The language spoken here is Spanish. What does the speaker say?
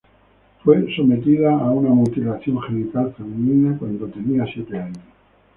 Fue sometida a una mutilación genital femenina cuando ella tenía siete años.